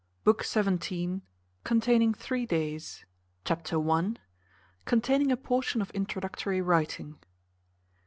BOOK XVII. CONTAINING THREE DAYS. Chapter i. Containing a portion of introductory writing.